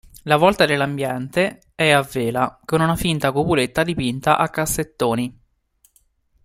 La volta dell'ambiente è a vela, con una finta cupoletta dipinta a cassettoni.